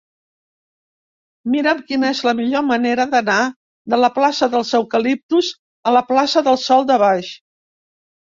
Mira'm quina és la millor manera d'anar de la plaça dels Eucaliptus a la plaça del Sòl de Baix.